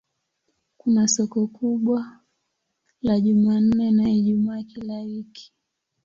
Kuna soko kubwa la Jumanne na Ijumaa kila wiki.